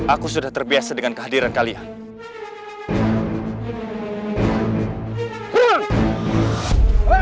aku sudah terbiasa dengan kehadiran kalian